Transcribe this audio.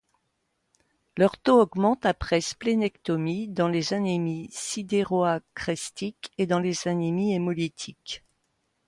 Leur taux augmente après splénectomie, dans les anémies sidéroachrestiques et dans les anémies hémolytiques.